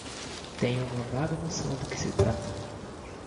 Tenho uma vaga noção do que se trata.